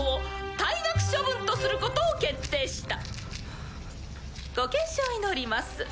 「退学処分とすることを決定した」「ご健勝を祈ります」